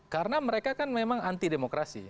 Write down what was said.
karena mereka kan memang anti demokrasi